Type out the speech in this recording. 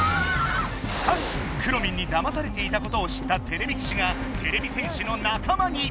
しかしくろミンにだまされていたことを知ったてれび騎士がてれび戦士の仲間に。